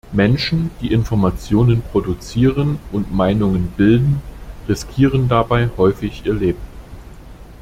Menschen, die Informationen produzieren und Meinungen bilden, riskieren dabei häufig ihr Leben.